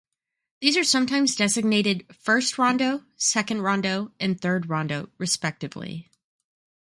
These are sometimes designated "first rondo", "second rondo", and "third rondo", respectively.